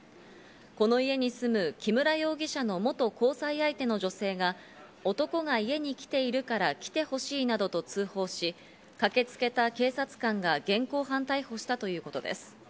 この家に住む木村容疑者の元交際相手の女性が男が家に来ているから来てほしいなどと通報し、駆けつけた警察官が現行犯逮捕したということです。